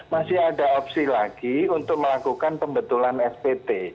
masih ada opsi lagi untuk melakukan pembetulan spt